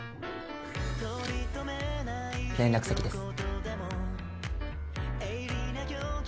連絡先です。